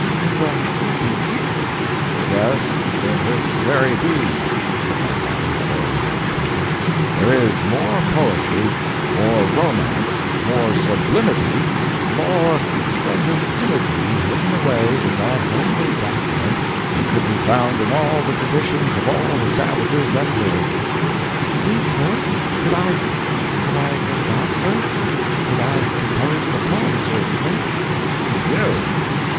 "In the—deed?" "Yes—in this very deed," said my father, throwing it on the table. "There is more poetry, more romance, more sublimity, more splendid imagery hidden away in that homely document than could be found in all the traditions of all the savages that live." "Indeed, sir? Could I—could I get it out, sir? Could I compose the poem, sir, do you think?" "You!"